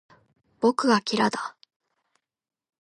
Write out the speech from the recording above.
僕がキラだ